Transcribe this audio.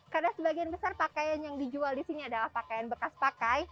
karena sebagian besar pakaian yang dijual di sini adalah pakaian bekas pakai